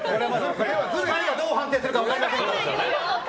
機械がどう判定するか分かりませんから。